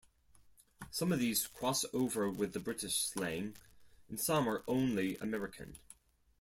Some of these cross over with the British slang, and some are only American.